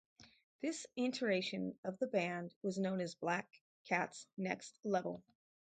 This iteration of the band was known as Black Cats Next Level.